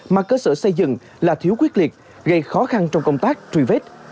mà cơ sở xây dựng là thiếu quyết liệt gây khó khăn trong công tác truy vết